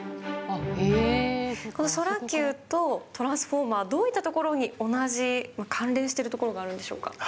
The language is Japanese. このソラキューと、トランスフォーマー、どういったところに、同じ関連してるところがあるんでしょうか？